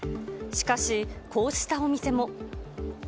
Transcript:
しかし、こうしたお店も。